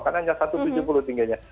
karena hanya satu tujuh puluh tingginya